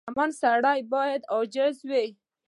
• شتمن سړی باید عاجز وي.